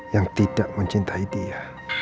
yang tidak mencintai dia